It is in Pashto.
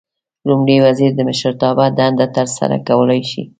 لومړی وزیر د مشرتابه دنده ترسره کولای شي.